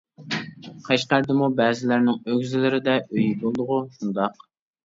قەشقەردىمۇ بەزىلەرنىڭ ئۆگزىلىرىدە ئۆيى بولىدىغۇ، شۇنداق.